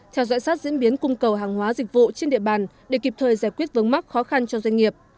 theo dõi sát diễn biến cung cầu hàng hóa dịch vụ trên địa bàn để kịp thời giải quyết vấn mắc khó khăn cho doanh nghiệp